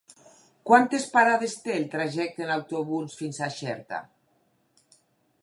Quantes parades té el trajecte en autobús fins a Xerta?